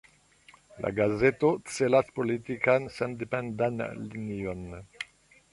La gazeto celas politikan sendependan linion.